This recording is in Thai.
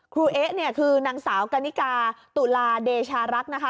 ครูเอ๊ะคือนางสาวกานิกาตุลาเดชารักษ์